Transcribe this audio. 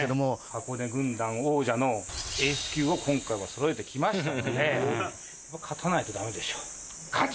箱根軍団王者のエース級を今回はそろえて来ましたので勝たないとダメでしょ。